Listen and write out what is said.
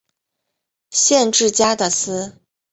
县治加的斯。